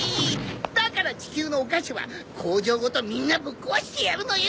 だから地球のお菓子は工場ごとみんなぶっ壊してやるのよ！